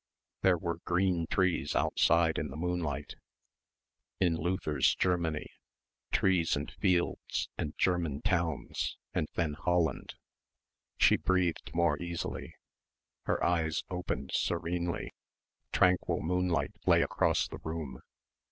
There were green trees outside in the moonlight ... in Luther's Germany ... trees and fields and German towns and then Holland. She breathed more easily. Her eyes opened serenely. Tranquil moonlight lay across the room.